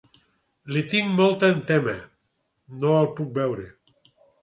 Li tinc molta entema; no el puc veure.